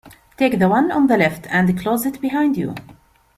Take the one on the left and close it behind you.